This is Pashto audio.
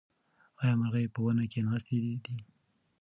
ایا مرغۍ په ونې کې ناستې دي؟